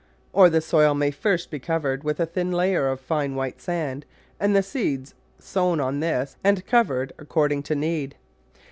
Or the soil may first be covered with a thin layer of fine white sand, and the seeds sown on this and covered according to need.